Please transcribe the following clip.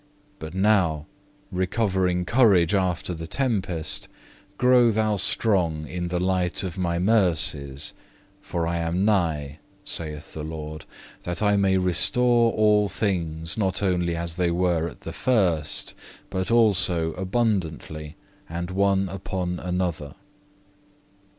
But now, recovering courage after the tempest, grow thou strong in the light of My mercies, for I am nigh, saith the Lord, that I may restore all things not only as they were at the first, but also abundantly and one upon another.